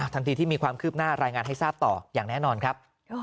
ทันทีที่มีความคืบหน้ารายงานให้ทราบต่ออย่างแน่นอนครับ